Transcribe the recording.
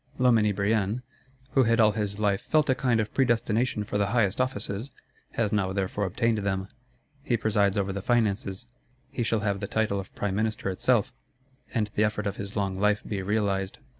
Loménie Brienne, who had all his life "felt a kind of predestination for the highest offices," has now therefore obtained them. He presides over the Finances; he shall have the title of Prime Minister itself, and the effort of his long life be realised.